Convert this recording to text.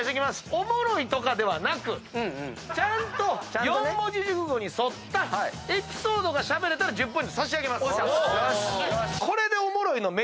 おもろいとかではなくちゃんと四文字熟語に沿ったエピソードがしゃべれたら１０ポイント差し上げます。